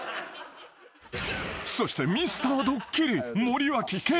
［そしてミスタードッキリ］